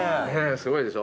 すごいでしょ。